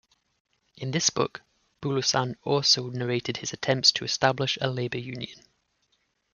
In this book, Bulosan also narrated his attempts to establish a labor union.